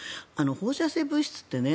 放射性物質ってね